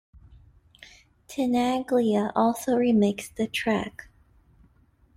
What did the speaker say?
Tenaglia also remixed the track.